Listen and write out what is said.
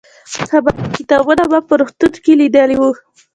هماغه کتابونه ما په روغتون کې لیدلي وو.